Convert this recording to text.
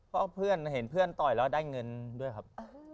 เพราะเพื่อนเห็นเพื่อนต่อยแล้วได้เงินด้วยครับ